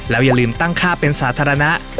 อย่าลืมตั้งค่าเป็นสาธารณะ